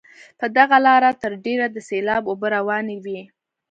په دغه لاره تر ډېره د سیلاب اوبه روانې وي.